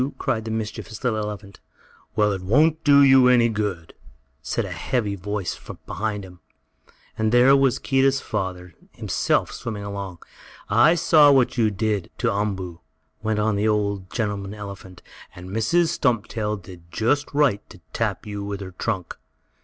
cried the mischievous little elephant. "Well, it won't do you any good," said a heavy voice behind him, and there was Keedah's father himself swimming along. "I saw what you did to Umboo," went on the old gentleman elephant, "and Mrs. Stumptail did just right to tap you with her trunk.